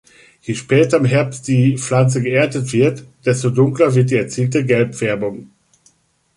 Je später im Herbst die Pflanze geerntet wird, desto dunkler wird die erzielte Gelbfärbung.